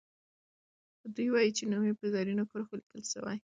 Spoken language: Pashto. دوي وايي چې نوم یې په زرینو کرښو لیکل سوی.